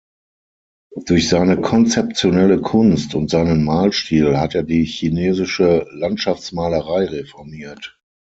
Durch seine konzeptionelle Kunst und seinen Malstil hat er die chinesische Landschaftsmalerei reformiert.